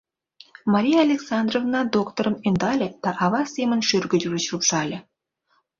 — Мария Александровна докторым ӧндале да ава семын шӱргыж гыч шупшале.